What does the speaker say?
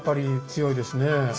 強いですね。